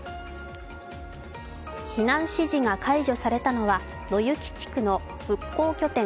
避難指示が解除されたのは野行地区の復興拠点